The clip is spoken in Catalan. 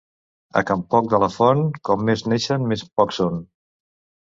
A can Poc de la Font, com més neixen més pocs són.